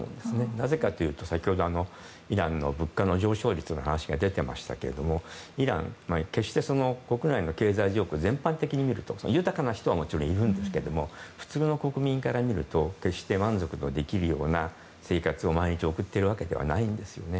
なぜかというと、先ほどイランの物価の上昇率の話が出ていましたけどもイランは決して国内の経済状況全般に見ると豊かな人はもちろんいるんですが普通の国民から見ると決して満足のできるような生活を毎日送っているわけではないんですよね。